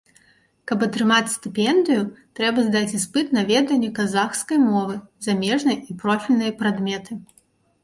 Каб атрымаць стыпендыю, трэба здаць іспыт на веданне казахскай мовы, замежнай і профільныя прадметы.